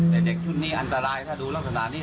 แต่เด็กชุดนี้อันตรายถ้าดูลักษณะนี้